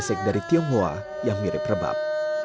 dan beresek dari tionghoa yang mirip rebab